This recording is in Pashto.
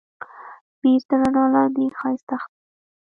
مېز د رڼا لاندې ښایسته ښکاري.